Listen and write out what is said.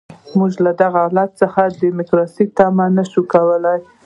موږ له دغسې حالت څخه د ډیموکراسۍ تمه نه شو کولای.